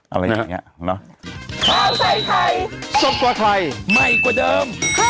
อะไรอย่างนี้